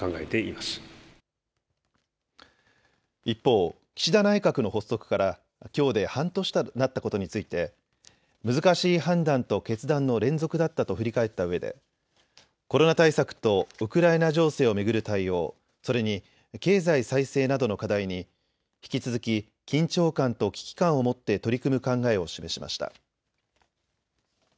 一方、岸田内閣の発足からきょうで半年となったことについて難しい判断と決断の連続だったと振り返ったうえでコロナ対策とウクライナ情勢を巡る対応、それに経済再生などの課題に引き続き緊張感と危機感を持って取り組む考えを示しました。